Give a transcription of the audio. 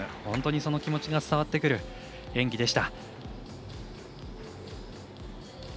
本当にその気持ちが伝わってくる演技でした。